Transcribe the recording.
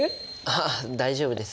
あ大丈夫です。